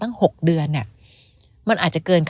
ตั้ง๖เดือน